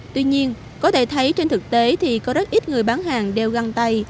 tuy nhiên có thể thấy trên thực tế thì có rất ít người bán hàng đều găng tay